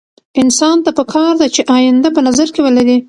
انسان ته پکار ده چې اينده په نظر کې ولري.